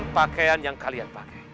pakaian yang kalian pakai